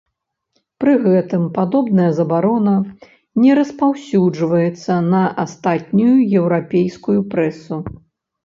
Пры гэтым падобная забарона не распаўсюджваецца на астатнюю еўрапейскую прэсу.